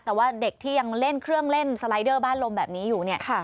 แต่ว่าเด็กที่ยังเล่นเครื่องเล่นสไลเดอร์บ้านลมแบบนี้อยู่เนี่ย